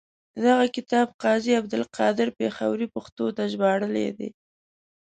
دغه کتاب قاضي عبدالقادر پیښوري پښتو ته ژباړلی دی.